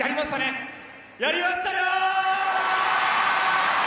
やりましたよ。